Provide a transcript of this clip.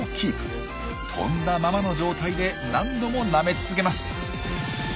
飛んだままの状態で何度もなめ続けます。